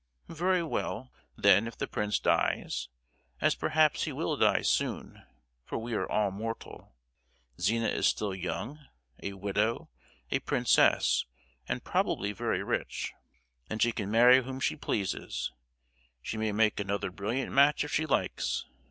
Very well; then if the prince dies—as perhaps he will die soon, for we are all mortal,—Zina is still young, a widow, a princess, and probably very rich. Then she can marry whom she pleases; she may make another brilliant match if she likes.